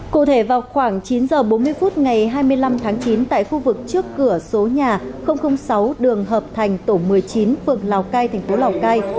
cụ thể vào khoảng chín h bốn mươi phút ngày hai mươi năm tháng chín tại khu vực trước cửa số nhà sáu đường hợp thành tổ một mươi chín phường lào cai thành phố lào cai